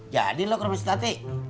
jadi lo ke rumah istati